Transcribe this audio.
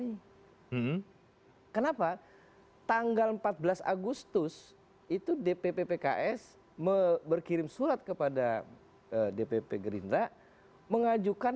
hmm kenapa tanggal empat belas agustus itu dpp pks berkirim surat kepada dpp gerindra mengajukan